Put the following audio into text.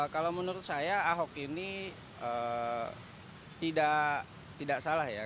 kalau menurut saya ahok ini tidak salah ya